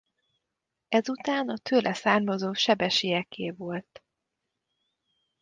Ezután a tőle származó Sebesieké volt.